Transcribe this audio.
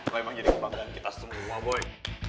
lu emang jadi kebanggaan kita semua boy